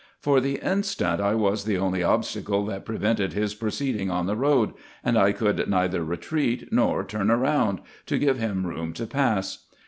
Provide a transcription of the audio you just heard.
For the instant I was the only obstacle that prevented his proceeding on the road ; and I could neither retreat nor turn round, to give him room to pass.